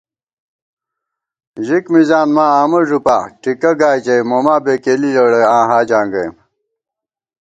ژِک مِزان ماں آمہ ݫُپا ٹِکہ گا ژَئی موما بېکېلی لېڑَئی آں حاجاں گئیم